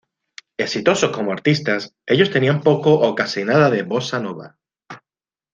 Exitosos como artistas, ellos tenían poco o casi nada de bossa nova.